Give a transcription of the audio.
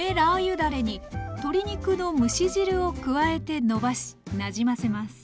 だれに鶏肉の蒸し汁を加えてのばしなじませます